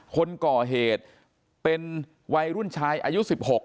คนก่อเหตุเป็นวัยรุ่นชายอายุ๑๖